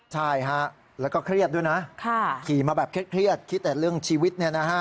ใช่ฮะแล้วก็เครียดด้วยนะขี่มาแบบเครียดคิดแต่เรื่องชีวิต